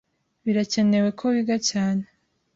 Birakenewe ko wiga cyane.